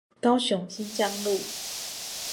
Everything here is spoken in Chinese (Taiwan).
高雄新疆路